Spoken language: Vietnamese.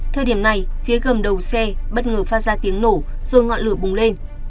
thời điểm này phía gầm đầu xe bất ngờ phát ra tiếng nổ rồi ngọn lửa bùng lên